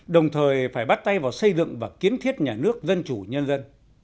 đồng thời phải bắt tay vào xây dựng và kiến thiết nhà nước dân chủ nhân dân